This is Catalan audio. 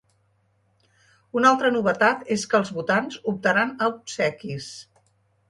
Una altra novetat és que els votants optaran a obsequis.